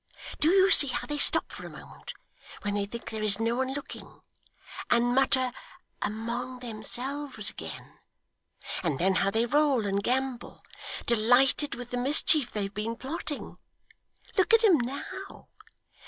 Do you see how they stop for a moment, when they think there is no one looking, and mutter among themselves again; and then how they roll and gambol, delighted with the mischief they've been plotting? Look at 'em now.